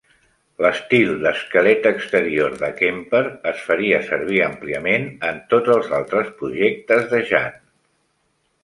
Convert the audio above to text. L'estil d'esquelet exterior de Kemper es faria servir àmpliament en tots els altres projectes de Jahn.